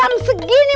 kan tapi doang di